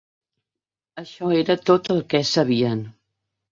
...això era tot el que sabien.